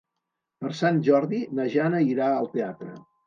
Per Sant Jordi na Jana irà al teatre.